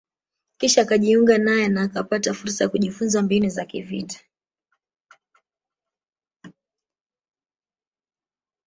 kisha akajiunga naye na akapata fursa ya kujifunza mbinu za kivita